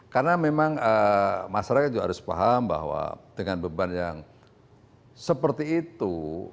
karena memang masyarakat juga harus paham bahwa dengan beban yang seperti itu